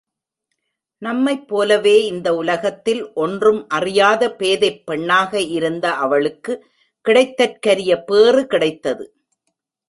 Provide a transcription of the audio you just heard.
நம்மைப் போலவே இந்த உலகத்தில் ஒன்றும் அறியாத பேதைப் பெண்ணாக இருந்த அவளுக்கு கிடைத்தற்கரிய பேறு கிடைத்தது.